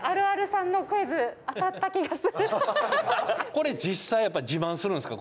これ実際やっぱ自慢するんですか？